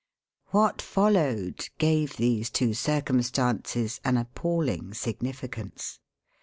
What followed gave these two circumstances an appalling significance.